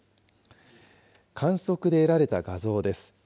観測で得られた画像です。